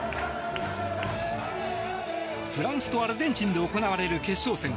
フランスとアルゼンチンで行われる決勝戦。